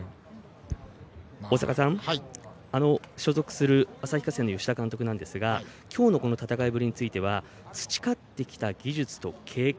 大坂さん、所属する旭化成の吉田監督ですが今日の、この戦いぶりについては培ってきた技術と経験